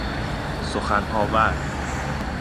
سخن آور